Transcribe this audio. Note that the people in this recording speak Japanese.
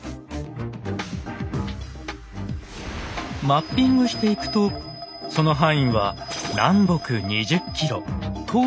マッピングしていくとその範囲は南北２０キロ東西１０キロ。